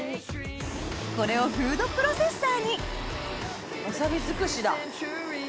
これをフードプロセッサーにわさび尽くしだ。